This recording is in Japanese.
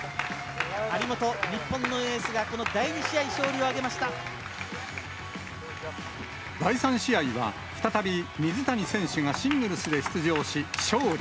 張本、日本のエースがエースがこ第３試合は、再び水谷選手がシングルスで出場し、勝利。